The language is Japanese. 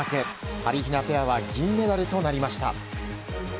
はりひなペアは銀メダルとなりました。